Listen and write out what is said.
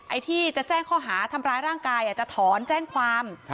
ไอ้ที่จะแจ้งข้อหาทำร้ายร่างกายจะถอนแจ้งความ